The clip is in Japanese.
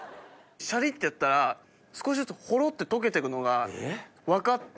シャリっていったら少しずつホロって溶けてくのが分かって